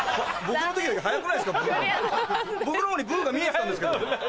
僕のほうに「ブ」が見えてたんですけど。